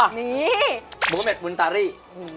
มันต้องเพิ่มความหวานด้วย